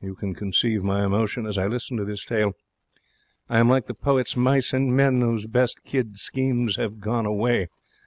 You can conceive my emotion as I listen to this tale. I am like the poet's mice and men whose best kid schemes have gone away.